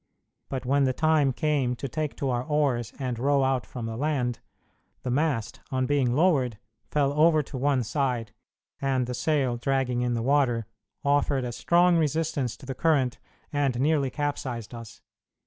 But when the time came to take to our oars and row out from the land, the mast, on being lowered, fell over to one side, and the sail, dragging in the water, offered a strong resistance to the current and nearly capsized us.